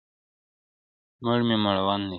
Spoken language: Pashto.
مړ مي مړوند دی,